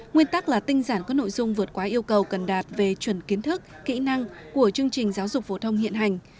nguyên tắc là tinh giản các nội dung vượt quá yêu cầu cần đạt về chuẩn kiến thức kỹ năng của chương trình giáo dục phổ thông hiện hành